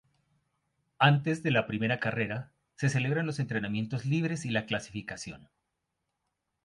Antes de la primera carrera se celebran los entrenamientos libres y la clasificación.